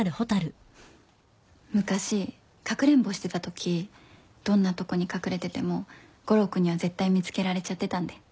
昔かくれんぼしてたときどんなとこに隠れてても悟郎君には絶対見つけられちゃってたんで。